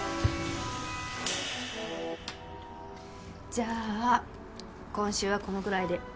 じゃあ今週はこのぐらいで。